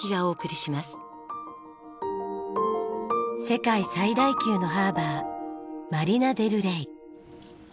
世界最大級のハーバーマリナ・デル・レイ。